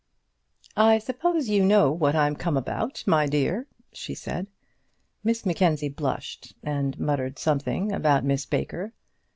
"I suppose you know what I'm come about, my dear," she said. Miss Mackenzie blushed, and muttered something about Miss Baker.